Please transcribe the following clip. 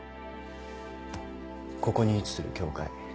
ここに位置する教会。